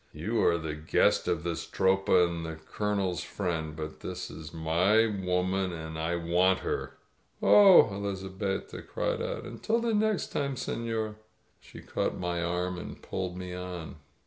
"You are the guest of this 106 ELIZABETTA Tropa and the Colonel's friend, but this is my woman and I want her " "Oh!" Elizabetta cried out. '^ntil the next time, sefior!" She caught my arm and pulled me on.